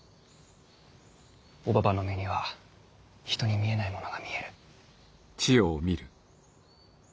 おばばの目には人に見えないものが見える。